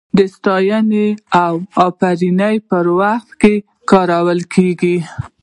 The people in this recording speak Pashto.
د ستاینې او افرین پر وخت کارول کیږي.